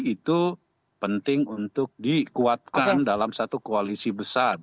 itu penting untuk dikuatkan dalam satu koalisi besar